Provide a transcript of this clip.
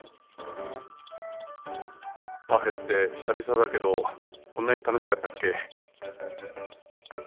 パフェって久々だけどこんなに楽しかったっけ。